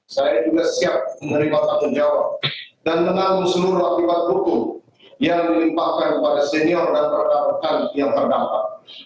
saya juga siap menerima tanggung jawab dan menanggung seluruh akibat hukum yang dilimpahkan pada senior dan berkantoran yang berdampak